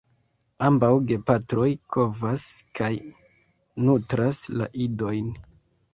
Ambaŭ gepatroj kovas kaj nutras la idojn.